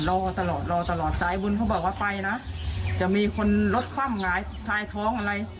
รอตลอดรอตลอดสายบุญเขาบอกว่าไปนะจะมีคนรถคว่ำหงายท้องอะไร